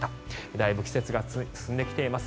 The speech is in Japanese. だいぶ季節が進んできています。